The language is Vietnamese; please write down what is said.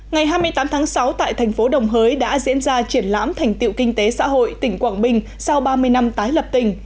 ngày hai mươi tám tháng sáu tại thành phố đồng hới đã diễn ra triển lãm thành tiệu kinh tế xã hội tỉnh quảng bình sau ba mươi năm tái lập tỉnh